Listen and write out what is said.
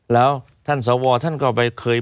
แล้วท่านสวท่านก็ไปเคย